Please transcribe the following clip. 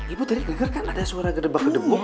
ibu tadi denger kan ada suara gede gede bom